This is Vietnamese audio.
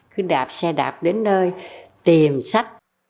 cứ đạp xe đạp đến nơi tìm sách